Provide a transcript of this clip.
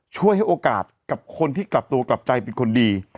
ช่วยให้โอกาสกับคนที่กลับตัวกลับใจเป็นคนดี